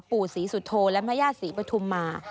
ปู่ศรีสุโธและแม่ย่าศรีปฐุมมา